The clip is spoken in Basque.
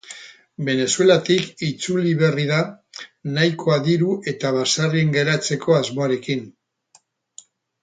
Venezuelatik itzuli berri da, nahikoa diru eta baserrian geratzeko asmoarekin.